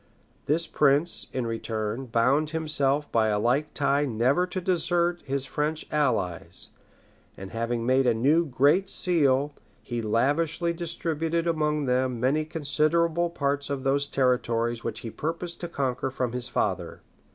This prince, in return, bound himself by a like tie never to desert his French allies; and having made a new great seal, he lavishly distributed among them many considerable parts of those territories which he purposed to conquer from his father.